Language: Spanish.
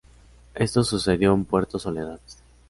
Esto sucedió en Puerto Soledad.